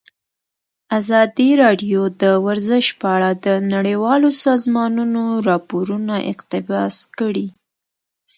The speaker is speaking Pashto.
ازادي راډیو د ورزش په اړه د نړیوالو سازمانونو راپورونه اقتباس کړي.